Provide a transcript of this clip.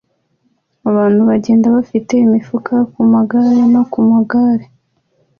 Abantu bagenda bafite imifuka ku magare no ku magare